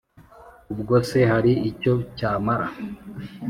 Ubwo se hari icyo cyamara